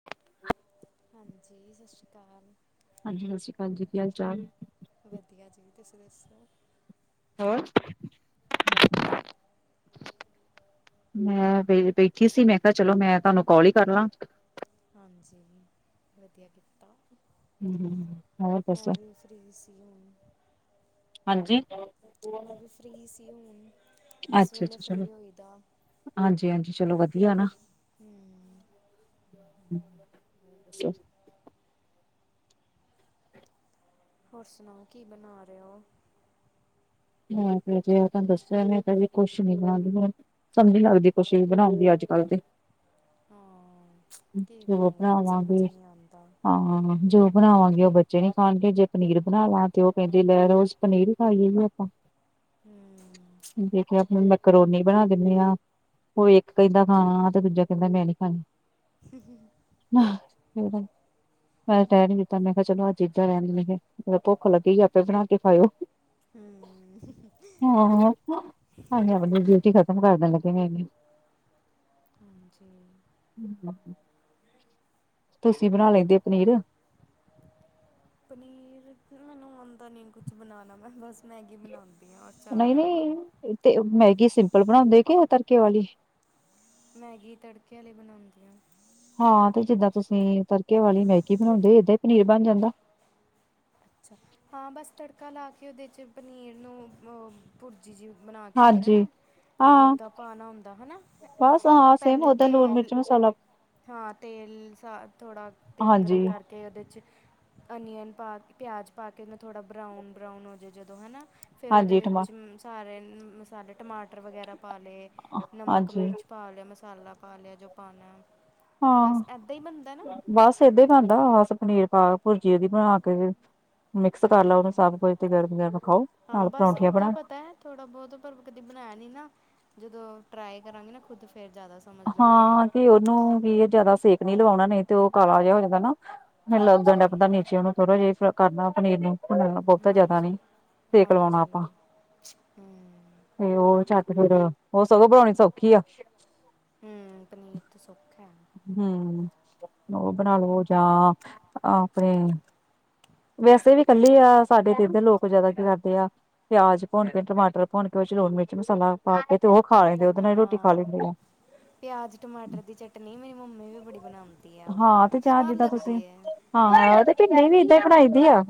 [inaudible] ਹਾਂਜੀ ਸਤਿ ਸ੍ਰੀ ਆਕਾਲ। ਹਾਂਜੀ ਸਤਿ ਸ੍ਰੀ ਆਕਾਲ ਜੀ, ਕੀ ਹਾਲ ਚਾਲ? ਵਧੀਆ ਜੀ, ਤੁਸੀਂ ਦੱਸੋ? ਹੋਰ। ਮੈਂ ਪੈਕੇ ਸੀ ਮੈਂ ਕਿਹਾ ਚਲੋ ਮੈਂ ਤੁਹਾਨੂੰ ਕਾਲ ਹੀ ਕਰ ਲਾਂ। ਹਾਂਜੀ, ਵਧੀਆ ਕੀਤਾ। ਹਮ- ਹਮ, ਹੋਰ ਦੱਸੋ? ਫਰੀ ਸੀ ਹੁਣ। ਹਾਂਜੀ। ਮੈਂ ਵੀ ਫਰੀ ਸੀ ਹੁਣ, ਇਸ ਵੇਲੇ ਫਰੀ ਹੋਈਦਾ। ਹਾਂਜੀ-ਹਾਂਜੀ ਚਲੋ ਵਧੀਆ ਨਾਂ। ਹਮ। [inaudible] ਹੋਰ ਸੁਣਾਓ? ਕੀ ਬਣਾ ਰਹੇ ਹੋ। ਮੈਂ ਕਿਹਾ ਜਿਹਾ ਦੱਸਿਆ ਕਹਿੰਦੇ ਕੁਛ ਨਹੀਂ ਬਣ ਰਿਹਾ। ਸਮਝ ਨ ਲੱਗਦੀ ਕੁਛ ਵੀ ਬਣਾਉਂਦੀ ਅੱਜ ਕੱਲ੍ਹ ਤੇ ਹਾਂ। ਕੀ ਜੋ ਬਣਾਈਏ ਕੁਝ ਸਮਝ ਬਣਾਵਾਂਗੇ, ਹੀ ਨਹੀਂ ਆਉਂਦਾ ਹਾਂ ਜੋ ਬਣਾਵਾਂਗੇ ਉਹ ਬੱਚੇ ਨੀ ਖਾਣਗੇ ਜੇ ਪਨੀਰ ਬਣਾ ਲਾ ਤੇ ਉਹ ਕਹਿੰਦੇ ਲੈ ਰੋਜ਼ ਪਨੀਰ ਹੀ ਖਾਈਏ ਜੀ ਆਪਾਂ। ਹੂੰ ਦੇਖਿਆ ਆਪਣੇ ਕਰੌਣੀ ਬਣਾ ਦਿੰਦੇ ਆ ਉਹ ਇੱਕ ਕਹਿੰਦਾ ਹਾਂ ਤੇ ਦੂਜਾ ਕਹਿੰਦਾ ਮੈਂ ਨੀ ਖਾਣੀ। ਹ- ਹ। ਨਾ ਫ ਮੈਂ ਤਾਂ ਟੈਰ ਨੀ ਦਿੱਤਾ ਮੈਂ ਕਿਹਾ ਚਲੋ ਅੱਜ ਇੱਦਾਂ ਰਹਿੰਦੀ ਮ ਮ ਭੁੱਖ ਲੱਗੀ ਆਪੇ ਬਣਾ ਕੇ ਖਾਇਓ। ਹਮ। [unintelligible] ਹਾਂ ਹਜੀ ਆਪਣੀ ਡਿਊਟੀ ਖ਼ਤਮ ਕਰ ਦੇਣ ਲੱਗੇ [unintelligible] ਹਾਂਜੀ। ਤੁਸੀਂ ਬਣਾ ਲੈਂਦੇ ਪਨੀਰ। ਪਨੀਰ ਮੈਨੂੰ ਆਉਂਦਾ ਨੀ ਕੁਛ ਬਣਾਉਂਣਾ ਮੈਂ ਬਸ ਮੈਗੀ ਬਣਾਉਂਦੀ। ਆਪੀਆਂ [unintelligible] ਔਰ ਚਾਹ ਨਹੀਂ ਬਣਾਦੀ ਹਾ। ਨਹੀਂ ਤੇ ਮੈਗੀ ਸਿੰਪਲ ਬਣਾਉਂਦੇ ਕੇ ਆ ਤੜਕੇ ਵਾਲੀ? ਮੈਗੀ ਤੜਕੇ ਆ ਲਈ ਬਣਾਉਂਦੀ ਆ। ਹਾਂ ਤੇ ਜਿੱਦਾਂ ਤੁਸੀਂ ਵਾਲੀ ਮੈਗੀ ਬਣਾਉਂਦੇ ਏਦਾਂ ਹੀ ਪਨੀਰ ਬਣ ਜਾਂਦਾ। ਅੱਛਾ ਹਾਂ ਬਸ ਤੜਕਾ ਲਾ ਕੇ ਉਹਦੇ 'ਚ ਪਨੀਰ ਨੂੰ ਭੁਰਜੀ ਜਿ ਬਣਾ ਕੇ ਉਹਦੀ ਹਾਂਜੀ ਹੈਨਾ। ਹਾਂ ਉਹਦਾ ਪਾਉਣਾ ਹੁੰਦਾ ਹੈਨਾ ਬਸ ਹਾਂ ਸੇਮ ਪਹਿਲੇੇ ਓਦਾਂ ਲੂਣ ਤੇਲ ਮਿਰਚ ਮਸਾਲਾ ਹਾਂ ਤੇਲ ਸਾ ਥੋੜਾ ਤੇਲ ਗਰਮ ਹਾਂਜੀ ਕਰਕੇ ਤੇ ਉਹਦੇ 'ਚ ਓਨੀਅਨ ਪਾ ਕੇ, ਪਿਆਜ ਪਾ ਕੇ ਨਾ ਥੋੜਾ ਬਰਾਊਨ- ਬਰਾਊਨ ਹੋ ਜਾ ਜਦੋਂ ਹਨਾ ਫੇਰ ਉਹਦੇ ਹਾਂਜੀ ਟਮਾ ਵਿੱਚ ਸਾਰੇ ਮਸਾਲੇ ਟਮਾਟਰ ਵਗੈਰਾ ਪਾ ਲਏ, ਨਮਕ ਹਾਂਜੀ ਮਿਰਚ ਪਾ ਲਿਆ, ਮਸਾਲਾ ਪਾ ਲਿਆ, ਜੋ ਪਾਉਣਾ। ਹਾਂ ਬਸ ਇੱਦਾਂ ਹੀ ਬਣਦਾ ਨਾ ਬਸ ਏਦੇ ਬਣਦਾ ਪਨੀਰ ਪਾ ਭੁਰਜੀ ਉਹਦੀ ਬਣਾ ਕੇ ਫ ਮਿਕਸ ਕਰ ਲਓ ਉਹਨੂੰ ਹੂੰ ਸਭ ਕੁਝ ਤੇ ਗਰਮ- ਗਰਮ ਖਾਓ, ਨਾਲ ਪਰੌਂਠੀਆਂ ਬਣਾ। ਤਾ ਥੋੜ੍ਹਾ ਬਹੁਤ ਪਰ ਕਦੀ ਬਣਾਇਆ ਨੀ ਨਾ ਜਦੋਂ ਟਰਾਈ ਕਰਾਂਗੀ ਨਾ ਖੁਦ ਫੇਰ ਜ਼ਿਆਦਾ ਸਮਝ ਲੱਗੇਗੀ ਹਾਂ ਕਿ ਉਹਨੂੰ ਕੀ ਜਿਆਦਾ ਸੇਕ ਨਹੀਂ ਲਵਾਉਣਾ ਨਹੀਂ ਤੇ ਉਹ ਕਾਲਾ ਜਹਾ ਹੋ ਜਾਂਦਾ ਨਾ। ਮੈਨੂੰ ਲੱਗਦਾ ਹਾਂਜੀ ਡਪਦਾ ਨੀ ਸੀ ਉਹਨੂੰ ਥੋੜਾ ਜਿਹੀ ਕਰਦਾ ਪਨੀਰ ਨੂੰ ਹ ਬਹੁਤਾ ਜਿਆਦਾ ਹਾਂਜੀ ਨੀ ਸੇਕ ਲਵਾਉਣਾ ਹਾਂਜੀ ਆਪਾਂ। ਹਮ ਤੇ ਉਹ ਝੱਟ ਫਿਰ ਉਹ ਸਗੋਂ ਬਣਾਉਣੀ ਸੌਖੀ ਆ। ਹਮ, ਪਨੀਰ ਤਾਂ ਸੌਖਾ ਹੈ। ਹਮ, ਉਹ ਬਣਾ ਲੋ ਜਾਂ ਆਪਣੇ ਵੈਸੇ ਵੀ ਇਕੱਲੀ ਆ ਸਾਡੇ ਤੇ ਇਧਰ ਲੋਕ ਜਿਆਦਾ ਕੀ ਕਰਦੇ ਆ। ਪਿਆਜ ਭੁੰਨ ਕੇ ਟਮਾਟਰ ਭੁੰਨ ਕੇ ਉਹ ਲੂਣ ਮਿਰਚ ਮਸਾਲਾ ਪਾ ਕੇ ਤੇ ਉਹ ਖਾ ਲੈਂਦੇ ਉਹਦੇ ਨਾਲ ਹੀ ਰੋਟੀ ਖਾ ਹਾਂ ਲੈਂਦੇ ਆ। ਪਿਆਜ਼, ਟਮਾਟਰ ਦੀ ਚੱਟ ਪਟਨੀ ਮੇਰੀ ਮੰਮੀ ਵੀ ਬੜੀ ਬਣਾਉਂਦੀ ਆ ਉਹ ਹਾਂ ਤੇ ਸਵਾਦ ਲੱਗਦੀ ਹੈ, ਹਮ ਭ ਨਹੀਂ ਵੀ ਇਏਦਾਂ ਹੀ ਖਣਾਾਈ ਦੀ ਆ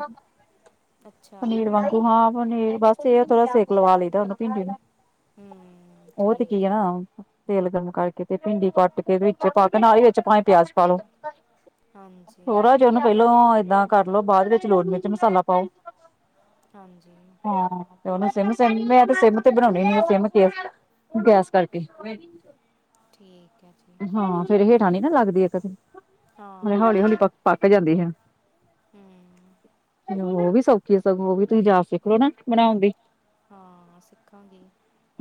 ਅੱਛਾ ਪਨੀਰ ਵਾਂਗ ਤੂੰ ਹਾਂ ਬਣੀ ਬਸ ਇਹ ਥੋੜਾ ਸੇਕ ਲਵਾ ਲਏ ਭਿੰਡ ਨੂੰ, ਹਮ ਉਹ ਤੇ ਕੀ ਠੀਕ ਹੈ ਨਾ ਤੇਲ ਗਰਮ ਕਰਕੇ ਤੇ ਭਿੰਡੀ ਕੱਟ ਕੇ ਵਿੱਚ ਪਾ ਕੇ ਨਾਲ ਵਿੱਚ ਪਾਵੇਂ ਪਿਆਜ ਪਾ ਲੋੋ ਹਾਂਜੀ। ਥੋਰਾ ਜਿ ਉਹਨੂੰ ਪਹਿਲੋਂ ਏਦਾਂ ਕਰ ਲੋ ਬਾਅਦ ਵਿੱਚ ਲੋੜ ਮਿਰਚ ਮਸਾਲਾ ਪਾਓ। ਹਾਂਜੀ‌। ਹਾਂ ਤੇ ਉਅਨੂੰ ਸਿਮ- ਸਿਮ ਮੈਂ ਤੇ ਸਿਮ ਤੇ ਬਣਾਉਣੀ ਉਂਨੀ ਆਂ ਸਿਮ ਤੇ ਗੈਸ ਕਰਕੇ। ਠੀਕ ਐ। ਹਾਂ ਫਿਰ ਹੇਠਾਂ ਨੀ ਨਾ ਲਗਦੇ ਇੱਕ ਤੇ ਫਿਰ ਹਾਂ ਇਹ ਹੌਲੀ- ਤਾਂ ਹੌਲੀ ਹੈ ਪ ਪੱਕ ਜਾਂਦੇ ਹੈ। ਹਮ ਓਅ ਉਅ ਵੀ ਸੌਖੀ ਆ ਸਗੋ ਉਵੀ ਤੁਹੀ ਜਾਚ ਸਿੱਖਲੋ ਨਾ ਬਣੌਣ ਦੀ। ਹਾਂਅ ਸਿੱਖਾਂਗੇ।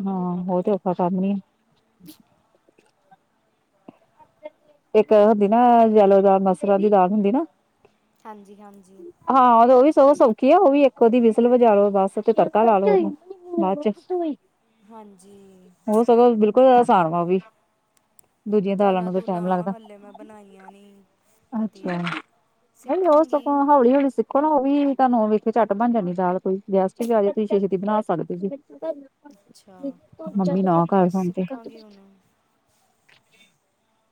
ਹਾਂ ਉਅ ਤੇ ਔਖਾ ਕੰਮ ਹੀ ਆ। [inaudible] ਇੱਕ ਅ ਹੁਦੀ ਨਾ ਜੈਲੋ ਦਾਲ ਮਸਰਾਂ ਦੀ ਦਾਲ ਹੁੰਦੀ ਨਾ। ਹਾਂਜੀ -ਹਾਂਜੀ। ਹਾਂ ਤੇ ਉਅ ਵੀ ਸਉ ਸੌਖੀ ਐ ਉਅ ਵੀ ਇੱਕ-ਉਦੀ ਵਿਸਲ ਵਜਾ ਲੋ ਬਸ ਤੇ ਤੜਕਾ ਲਾ ਲੋੋ ਉਨੂੰ। ਬਾਅ 'ਚ' ਹਾਂਜੀ ਹੋ ਸਗੋ ਬਿਲਕੁਲ ਆਸਾਨ ਵਾ ਓ ਵੀ। ਦੂਜੀਆਂ ਦਾਲਾਂ ਨੂੰ ਤਾਂ ਟਾਈਮ ਲੱਗਦਾ ਦਾਲਾ-ਦੂਲਾਂ ਹਲੇ ਮੈਂ ਬਣਾਈਆਂ ਨੀ ਕਦੀ। ਸਿੱਖਾਂਗੀ। ਹੋਲੀ- ਹੋਲੀ ਸਿੱਖੋ ਨਾ ਉਅ ਵੀ ਧਾਨੂੰ ਵੇਖ ਕੇ ਝੱਟ ਬਣ ਜਾਣੀ ਆਂ ਦਾਲ ਕੋਈ ਗੈਸਟ ਵੀ ਆ ਜੇ ਕੋਈ ਛੇ- ਛੇਤੀ ਬਣਾ ਸਕਦੇ ਜੇ। ਅੱਛਾ ਮੰਮੀ ਨਾ ਕਰ ਬਸ ਕੰਮ ਤੇ। ਸਿੱਖਾਂਗੀ ਹੁਣ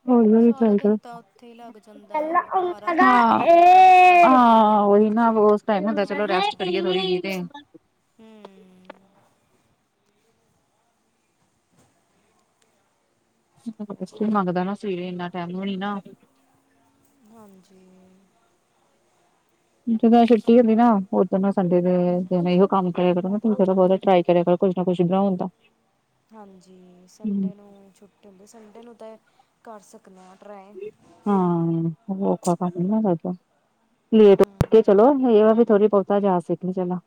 ਹੋਲੀ-ਹੋਲੀ ਸਾਰਾ ਚਾਹੀਦਾ ਦਿਨ ਤਾਂ ਉੱਥੇ ਹੀ ਲੱਗ ਜਾਂਦਾ ਪਹਿਲਾ ਘਰ ਆਉਂਦਾ ਆ ਕੇ ਮਨ ਨਹੀਂ ਹੈ ਕਰਦਾ ਕੁਛ ਏ ਹਾਂ। ਕੰਮ ਕਰਨ ਹਾਂ ਦਾ ਓਹੀ ਨਾ ਓਸ ਟਾਈਮ ਹੁੰਦੈ ਚਲੋ ਰੈਸਟ ਕਰੀਏ ਥੋੜ੍ਹੀ ਜੀ ਤੇ। ਹੂੰਅ। ਸਵੇਰੇ ਰੈਸਟ ਵੀ ਮੰਗਦਾ ਨਾ ਸਰੀਰ ਇਨਾ ਟਾਈਮ ਵੀ ਨਾ। ਹਾਂਜੀ। ਜਦੋਂ ਛੁੱਟੀ ਹੁੰਦੀ ਨਾ ਉਦਨ ਸੰਡੇ ਦੇ ਦਿਨ ਇਹੋ ਕੰਮ ਕਰਿਆ ਕਰੋ ਤੁਸੀਂ ਥੋੜ੍ਹਾ- ਬੋਤਾ ਟਰਾਈ ਕਰਿਆ ਕਰੋ ਕੁਛ ਨਾ ਕੁਛ ਬਣੌਣਦਾ। ਹਾਂਜੀ ਸੰਡੇ ਨੂੰ ਛੁੱ ਟੀ ਉਂਦੀ ਸੰਡੇ ਨੂੰ ਤਾ ਐ ਕਰ ਸਕਨਾ ਡਰਾਏ। ਹਾਂ ਇਅ ਕੋਈ ਔਖਾ ਕੰਮ ਨੀ ਨਾ ਜ਼ਿਆਦਾ। ਲੇਟ ਉੱਠ ਕੇ ਹੂੰ ਚਲੋ ਇਅ ਵ ਵੀ ਥੋੜ੍ਹੀ- ਬਉਤਾ ਜਾ ਸਕੀਏ ਚਲੋ।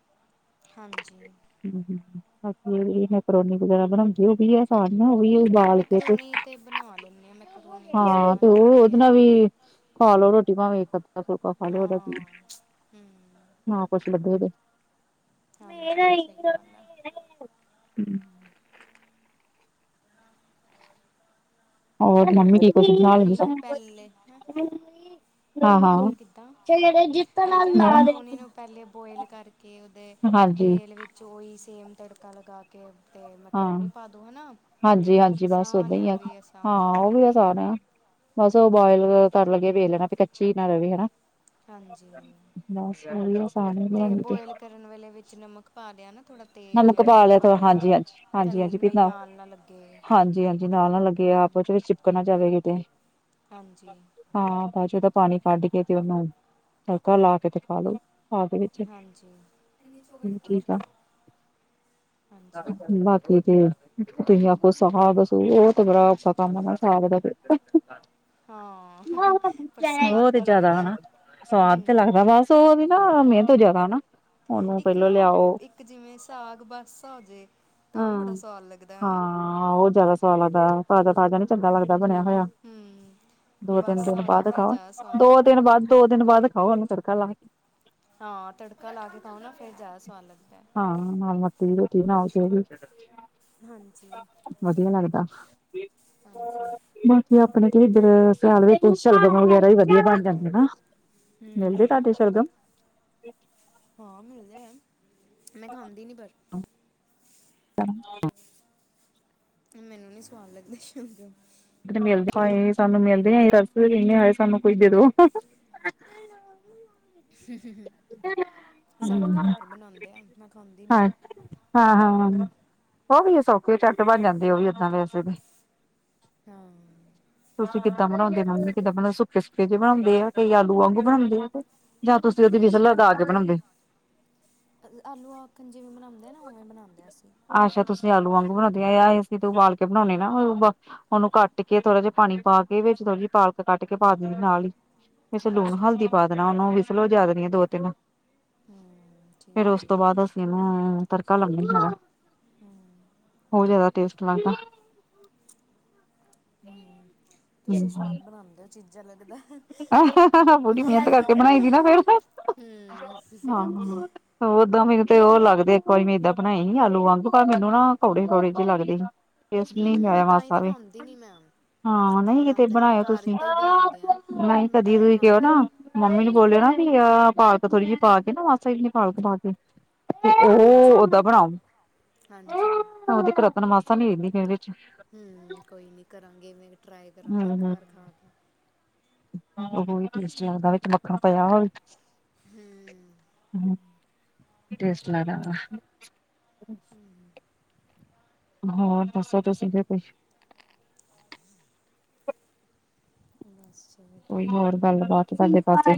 ਹਾਂਜੀ। ਹਮ-ਹਮ ਆਪਣੀ ਇ ਮੈਕਰੋਨੀ ਵਗੈਰਾ ਬਣਾਉਂਦੀ ਹੁੰਦੀ ਐ। ਪਾਣੀ ਨਾ ਉਈਓ ਉਬਾਲ ਕੇ ਤੇ, ਮੈਕਰੋਨੀ ਬਣਾ ਲੈਂਦੇ ਹਾਂ ਮੈਕਰੋਨੀ ਤਾਂ ਹਾਂ। ਤੇ ਆਸਾਨ ਹੀ ਉਹ ਹੁੰਦੀ ਉਹਦੇ ਹੈ ਨਾਲ਼ ਵੀ ਖਾ ਲੋ ਰੋਟੀ ਭਾਵੇ ਇੱਕ-ਅੱਧਾ ਫੁਲਕਾ ਖਾ ਲੋ ਉਦਾ ਕੀਆ। ਹਾਂ ਹੂੰ ਨਾ ਕੁਛ ਲੱਗੇੇ ਦੇ ਹਾਂਜੀ ਸਹੀ ਗੱਲ ਹੈ [unintelligible] ਹੂੰ। ਹੋਰ ਮੰਮੀ ਠੀਕ ਓ ਮੈਕਰੋਨੀ ਨੂੰ ਪਹਿਲੇ [unintelligible] ਹਮ। ਕਿੱਦਾ। ਮੈਂ ਕਿਆ ਮੈਕਰੋਣੀ ਕੇ ਨੂੰ ਪਹਿਲੇ ਬੋਇਲ ਕਰਕੇ ਉਦੇ ਹਾਂਜੀ ਤੇਲ ਵਿੱਚ ਓਈ ਸੇਮ ਤੜਕਾ ਲਗਾ ਕੇ ਤੇ ਹਾਂ ਮੈਕਰੋਨੀ ਪਾਦੋ ਹਨਾ ਹਾਂਜੀ ਹਾਂਜੀ ਬਸ ਆਸਾਨ ਓਦਾਂ ਐ ਹੀ ਆ ਉਵੀ ਹਾਂ ਆਸਾਨ ਐ। ਉਹ ਵੀ ਆਸਾਨ ਆ ਬਸ ਉਅ ਬੋਇਲ ਕਰਨ ਲੱਗੇ ਵੇਖ ਲੈਣੈ ਵੀ ਕੱਚੀ ਨਾਂ ਰੈਵੇ ਹਨਾ। ਹਾਂਜੀ ਬਸ ਓਹੀਓ ਆਸਾਨ ਹੀ ਬਣਾਣੀ ਤੇ ਉਬਲਣ ਵੇਲੇ ਵਿੱਚ ਨਮਕ ਪਾ ਦਿਆ ਨਾਂ। ਨਮਕ ਪਾ ਲਿਆ ਥੋੜਾ ਹਾਂਜੀ- ਹਾਂਜੀ, ਹਾਂਜੀ- ਥਲ ਹਾਂਜੀ ਵੀ ਮਈ ਨਾ ਨਾਲ ਲੱਗੇ ਹਾਂਜੀ-ਹਾਂਜੀ ਨਾਲ ਨਾ ਲੱਗੇ। ਹੂੰ ਆਪਸ 'ਚ' ਚਿਪਕ ਨਾ ਜਾਵੇ ਕਿਤੇ। ਹਾਂਜੀ। ਹਾਂ ਬਾਅਦ 'ਚ' ਉਦਾ ਪਾਣੀ ਕੱਢ ਕੇ ਤੇ ਉਨੂੰ ਤੜਕਾ ਲਾ ਕੇ ਤੇ ਖਾ ਲੋ। ਬਾਦ ਵਿੱਚ, ਹਾਂਜੀ, ਹੁਣ ਠੀਕ ਆ। ਹਾਂਜੀ। ਬਾਕੀ ਤੇ ਤੁਹੀ ਆਖੋ ਸਾਗ-ਸੂ ਉਅ ਤੇ ਬੜਾ ਔਖਾ ਕੰਮ ਅਗਾ ਸਾਗ ਦਾ ਤੇ। ਹਾਂ, ਪਰ ਸਵਾਦ ਬੌਤ ਤਾਂ ਜ਼ਾਦਾ ਲੱਗਦਾ। ਹੈ। ਹਨਾ। ਸਵਾਦ ਤੇ ਹੂੰ, ਲੱਗਦਾ ਬੱਸ ਉਹ ਵੀ ਨਾ ਮਿਹਨਤ ਜਿਆਦਾ ਨਾ ਉਹਨੂੰ ਇੱਕ ਨਾ ਲਿਆਉ ਇੱਕ ਜਿਵੇਂ ਸਾਗ ਬੱਸ ਆਜੇ ਤਾਂ ਬੜਾ ਸਵਾਦ ਲੱਗਦਾ ਹਨਾ ਹਾਂ ਉਹ ਜ਼ਿਆਦਾ ਸਵਾਦ ਲੱਗਦਾ ਤਾਜਾ-ਤਾਜ਼ਾ ਨੀ ਚੰਗਾ ਲੱਗਦਾ ਬਣਿਆ ਹੋਇਆ। ਹੂੰ, ਦੋ, ਤਿੰਨ ਦਿਨ ਬਾਸਾ ਹੋਜੇ ਬਾਅਦ ਫਿਰ ਖਾਓ। ਜ਼ਿਆਦਾ ਸਵਾਦ ਦੋ ਲੱਗਦਾ। ਦਿਨ ਹੈ। ਬਾਅਦ, ਦੋ ਦਿਨ ਬਾਅਦ ਖਾਓ ਉਹਨੂੰ ਤੜਕਾ ਲਾ ਕੇ। ਹਾਂ ਤੜਕਾ ਲਾ ਕੇ ਖਾਉ ਨਾ ਫੇਰ ਜ਼ਿਆਦਾ ਸਵਾਦ ਲੱਗਦਾ ਹਾਂ ਠੀਕ-ਠੀਕ ਹਾਂਜੀ। [unintelligible] ਵਧੀਆ ਲੱਗਦਾ। ਹਾਂਜੀ, ਬਾਕੀ ਆਪਣੇ ਤੇ ਇੱਧਰ ਸਿਆਲ ਵਿੱਚ ਸ਼ਲਗਮ ਵਗੈਰਾ ਹੀ ਵਧੀਆ ਬਣ ਜਾਂਦੇ ਨਾ ਮਿਲਦੇ ਹੂੰ, ਤੁਹਾਡੇ ਸਲ਼ਗਮ ਹਾਂ ਮਿਲਦੇ ਆ। ਮੈਂ ਖਾਂਦੀ ਨਹੀਂ ਪਰ [inaudible] ਮੈਨੂੰ ਨੀ ਸਵਾਦ ਲੱਗਦੇ ਸ਼ਲਗਮ। ਮਿਲਦੇ ਆਏ ਸਾਨੂੰ ਮਿਲਦੇ ਆ ਰਸਦੇ ਕਹਦੇ ਆਏ ਸਾਨੂੰ ਕੋਈ ਦੇ ਦੋ ਸਾਡੇ ਤਾਂ ਹਾਂ ਘਰ ਬਣਾਉਂਦੇ ਆ ਮੈਂ ਖਾਂਦੀ ਨੀ। ਹਾਂ-ਹਾਂ। ਉਹ ਵੀ ਆ ਸੌਖੇ ਚੱਟ ਬਣ ਜਾਂਦੇ ਆ। ਉਹ ਵੀ ਏਦਾਂ ਵੈਸੇ ਵੀ ਹਾਂ। ਤੁਸੀਂ ਕਿੱਦਾਂ ਬਣਾਉਦੇ ਮੰਮੀ ਕਿਦਾਂਦੇ ਸੁੱਕੇ-ਸੁੱਕੇ ਜੇ ਬਣਾਉਂਦੇ ਆ ਕਈ ਆਲੂ ਵਾਂਗ ਬਣਾਉਦੇ ਆ ਤੇ ਜਾਂ ਤੁਸੀਂ ਉਹਦੀ ਜੇ ਵਿਸਲਾ ਲਾ ਕੇ ਬਣਾਉਂਦੇ ਆਲੂ ਆਖਣ ਜਿਵੇਂ ਬਣਾਉਂਦੇ ਨਾ ਉਵੇਂ ਬਣਾਉਂਦੇ ਅਸੀਂ ਅੱਛਾ ਤੁਸੀਂ ਆਲੂ ਵਾਗ ਬਣਾਉਂਦੀਆਂ ਆ ਅਸੀਂ ਤੂੰ ਉਬਾਲ ਕੇ ਬਣਾਉਂਦੇ ਨਾ ਉ ਉਹਨੂੰ ਕੱਟ ਕੇ ਥੋੜ੍ਹਾ ਜਿਹਾ ਪਾਣੀ ਪਾ ਕੇ ਵਿੱਚ ਥੋੜੀ ਜਿਹੀ ਪਾਲਕ ਕੱਟ ਕੇ ਪਾ ਦਿੰਦੀ ਨਾਲ ਹੀ ਵਿੱਚ ਲੂਣ ਅੱਛਾ ਹਲਦੀ ਪਾ ਦੇਣਾ ਉਹਨੂੰ ਵਿਸਲ ਵਜਾ ਦੇਣੀਆਂ ਦੋ, ਤਿੰਨ ਹੂੰ ਫੇਰ ਉਸ ਠੀਕ ਹੈ ਤੋਂ ਬਾਅਦ ਠੀਕ ਅਸੀਂ ਹੈ ਇਹਨੂੰ ਤੜਕਾ ਲਾਉਦੇ ਹਗਾ ਹਮ। ਹੋ ਜ਼ਿਆਦਾ ਟੇਸਟ ਲੱਗਦਾ ਹਮ ਤੁਸੀਂ ਸਵਾਦ ਬਣਾਉਂਦੇ ਹੋ ਚੀਜ਼ਾਂ ਲੱਗਦਾ ਹੂੰ ਪੂਰੀ ਮਿਹਨਤ ਕਰਕੇ ਬਣਾਈ ਦੀ ਨਾ ਫਿਰ ਉਦਾਂ ਮੈਨੂੰ ਤੇ ਉਹ ਲੱਗਦੇ ਇੱਕ ਵਾਰੀ ਮੈਂ ਏਦਾਂ ਬਣਾਈ ਆਲੂ ਵਾਂਗ ਉਹ ਤਾਂ ਮੈਨੂੰ ਨਾ ਕੌੜੇ-ਕੌੜੇ ਜੇ ਲੱਗਦੇ ਆ ਅਸੀਂ ਹੂੰ ਨਹੀਂ ਮੈਂ ਬਣਾਇਆ ਤਾਂ ਹੀ ਮਾਸਾ ਤਾਂ ਵੀ, ਖਾਂਦੀ ਨਹੀਂ ਮੈਂ ਹਮ ਇਹ ਨਹੀਂ ਕਿਤੇ ਬਣਾਉਂਦਾ ਮੇਰੇ ਬਣਾਇਓ ਘਰ ਤੁਸੀਂ ਇਦਾਂ ਹੀ ਬਣਾਉਂਦੇ ਆ ਨਹੀਂ ਮੈਂ ਤਾਂ ਕਦੀ ਹੀ ਤੁਸੀਂ ਕਿਹਓ ਖਾਂਦੀ ਨਾ ਨੀ। ਮੰਮੀ ਨੂੰ ਹੂੰ ਬੋਲਿਆ ਨਾ ਘੀਆ ਪਾ ਕੇ ਥੋੜੀ ਜੀ ਪਾ ਕੇ ਮਾਸਾ ਜਿੰਨੀ ਪਾਲਕ ਪਾ ਕੇ ਤੇ ਉਹ ਹਾਂਜੀ ਓਦਾਂ ਬਣਾਓ। ਹਾਂਜੀ ਉਹਦੀ ਕੁੜੱਤਣ ਮਾਸਾ ਨੀਂ ਰਹਿੰਦੀ ਇਹਦੇ 'ਚ' ਹਮ ਕੋਈ ਨਹੀਂ ਕਰਾਂਗੇ। ਮੈਂ ਟਰਾਈ ਕਰਾਂਗੇ ਹੂੰ ਇੱਕ ਹੂੰ। ਵਾਰ ਖਾ ਕੇ ਉਹ ਵੀ ਟੇਸਟ ਲੱਗਦਾ ਵਿੱਚ ਮੱਖਣ ਪਾਇਆ ਹੋਵੇ ਹਮ। ਹਮ, ਟੇਸਟ ਲੱਗਦਾ ਵਾਂ। ਹਮ। ਹੋਰ ਦੱਸੋ ਤੁਸੀਂ ਫਿਰ ਕੁਛ? ਬਸ ਕੋਈ ਵਧੀਆ ਹੋਰ ਗੱਲ-ਬਾਤ ਸਾਡੇ ਪਾਸੇ।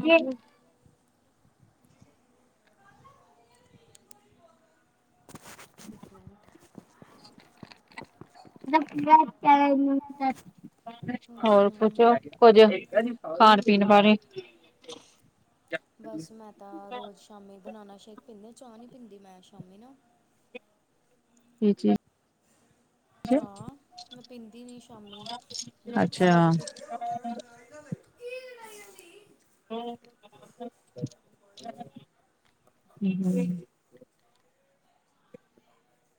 [unintelligible] [unintelligible] ਹੋਰ ਕੁਛ ਕੁੱਝ ਖਾਣ-ਪੀਣ ਬਾਰੇ ਬਸ ਮੈਂ ਤਾਂ ਰੋਜ਼ ਸ਼ਾਮੀ ਬਨਾਨਾ ਸ਼ੇਕ ਪੀਂਦੇ ਚਾਹ ਨਹੀਂ ਪੀਂਦੀ ਮੈਂ ਸ਼ਾਮੀ ਨਾ ਇਹ ਚੀਜ਼ [inaudible] ਚਾਹ ਮੈਂ ਪੀਂਦੀ ਨੀਂ ਸ਼ਾਮੀ ਅੱਛਾ। ਸਵੇਰੇ ਪੀ ਕੀ ਲੜਾਈਆਂ [unintelligible] ਹਮ-ਹਮ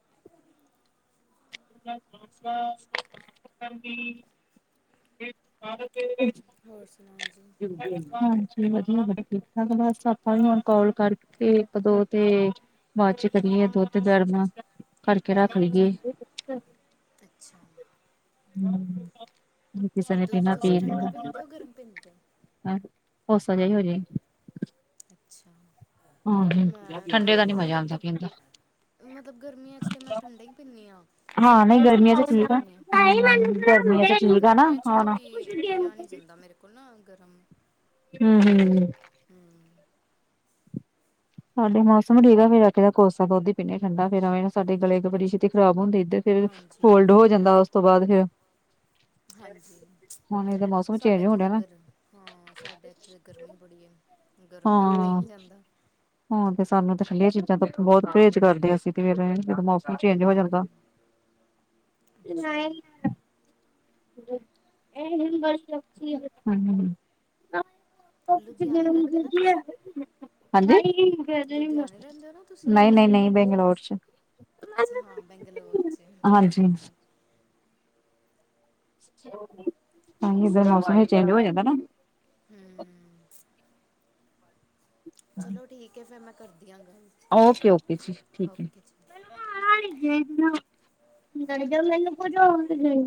[inaudible] [unintelligible] ਹੋਰ ਸੁਣਾਓ ਜੀ। ਹਾਂਜੀ ਵਧੀਆ ਵ ਠੀਕ ਠਾਕ, ਬਸ ਆਪਾ ਵੀ ਹੁਣ ਕਾਲ ਕਰਕੇ ਇੱਕ, ਦੋ ਤੇ ਬਾਅਦ ਚ ਕਰੀਏ ਦੁੱਧ ਗਰਮ ਕਰਕੇ ਰੱਖ ਹਾਂਜੀ ਲਈਏ ਅੱਛਾ। ਕਿਸੇ ਨੇ ਦੁੱਧ ਪੀਣਾ ਤੁਸੀਂ ਠੰਢਾ ਪੀਂਦੇ ਹੋ, ਗਰਮ ਪੀਂਦੇ ਹੋ ਹਮ ਕੋਸਾ ਜਾ ਹੀ ਹੋ ਜੇ ਅੱਛਾ ਮੈਂ ਤੇ ਠੰਡੇ ਦਾ ਨੀ ਮਜ਼ਾ ਮਤਲਬ ਆਉਂਦਾ ਦੁ ਪੀਣ ਦਾ ਮਤਲਬ ਗਰਮੀਆਂ 'ਚ ਤਾਂ ਮੈਂ ਠੰਡਾ ਹੀ ਪੀਂਦੀ ਹਾਂ ਹਾਂ ਨਹੀਂ ਸਰਦੀਆਂ 'ਚ ਮੈਂ ਗਰਮੀਆਂ ਕੋਸਾ ਠੀਕ ਪੀਨੀ ਆ ਹਮ ਗਰਮੀਆਂ ਚ ਠੀਕ ਆ ਨਾ ਗਰਮੀਆਂ 'ਚ' ਨੀ ਹੁਣ ਪ ਪੀਆ ਨਹੀਂ ਜਾਂਦਾ ਮੇਰੇ ਕੋਲ ਮੇਰੇ ਕੋਲ ਨਾ ਗਰਮ। ਹਮ-ਹਮ ਹਮ। ਸਾਡੇ ਮੌਸਮ ਠੀਕ ਆ ਫੇਰ ਆਖੇ ਦਾ ਕੋਸਾ ਦੁੱਧ ਹੀ ਪੀਂਨੇ, ਠੰਡਾ ਫੇਰ ਸਾਡੇ ਗਲੇ ਬੜੀ ਛੇਤੀ ਖਰਾਬ ਹੁੰਦੇ ਇੱਧਰ ਫਿਰ ਹਾਂਜੀ ਕੋਲਡ ਹੋ ਜਾਂਦਾ ਉਸ ਤੋਂ ਬਾਅਦ ਫਿਰ ਹਾਂਜੀ ਹੁਣ ਇਹਦਾ ਮੌਸਮ ਸਾਡੇ ਚੇਂਜ ਤੇ ਹੋ ਇੱਧਰ ਰਿਹਾ ਨਾ ਗਰਮ ਹਾਂ ਸਾਡੇ ਇੱਥੇ ਤਾਂ ਗਰਮੀ ਬੜੀ ਆ ਗਰਮ ਪੀਤਾ ਹੀ ਨਹੀਂ ਜਾਂਦਾ ਹਾਂ ਤੇ ਸਾਨੂੰ ਤਾਂ ਠੰਢੀਆਂ ਚੀਜ਼ਾਂ ਤਾਂ ਬਹੁਤ ਪਰਹੇਜ਼ ਕਰਦੇ, ਅਸੀਂ ਤੇ ਫ ਜਦੋਂ ਮੌਸਮ ਚੇਂਜ ਹੋ ਜਾਂਦਾ ਏ ਨਾਂ ਅੱਛਾ [unintelligible] ਲੁਧਿਆਣੇ ਰਹਿੰਦੇ ਨਾ ਤੁਸੀਂ [unintelligible] ਹਾਂਜੀ। ਲੁਧਿਆਣੇ [unintelligible] ਰਹਿੰਦੇ ਹੋ ਨਾ ਤੁਸੀਂ ਨਹੀਂ-ਨਹੀਂ ਬੰਗਲੌਰ'ਚ ਅੱਛਾ ਹਾਂ ਬੈਂਗਲੌਰ 'ਚ ਠੀਕ ਹਾਂਜੀ ਹੈ-ਠੀਕ ਹੈ। ਹਾਂਜੀ ਇਧਰ ਮੌਸਮ ਹੀ ਚੇਂਜ ਹੋ ਜਾਂਦਾ ਨਾ ਹਮ। ਚਲੋ ਠੀਕ ਹੈ, ਫਿਰ ਮੈਂ ਕਰਦੀ ਹਾਂ ਗੱਲ ਓਕੇ-ਓਕੇ ਜੀ ਠੀਕ ਹੈ। ਓਕੇ ਜੀ [unintelligible]